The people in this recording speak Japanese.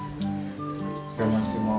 お邪魔します。